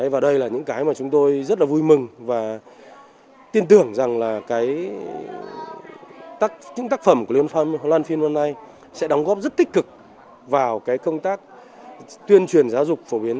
và đây là những cái mà chúng tôi rất là vui mừng và tin tưởng rằng là cái tác phẩm của liên hoan phim năm nay sẽ đóng góp rất tích cực vào cái công tác tuyên truyền giáo dục phổ biến